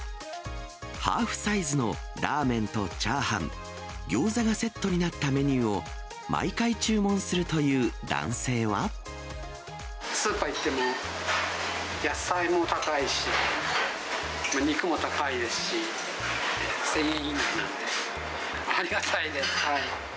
ハーフサイズのラーメンとチャーハン、ギョーザがセットになったメニューを毎回注文するといスーパー行っても、野菜も高いし、肉も高いですし、１０００円以内なのでありがたいです。